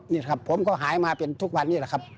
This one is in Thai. นี่ครับผมก็หายมาเป็นทุกวันนี้แหละครับ